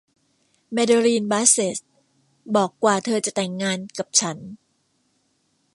แมเดอรีน บาสเซทบอกกว่าเธอจะแต่งงานกับฉัน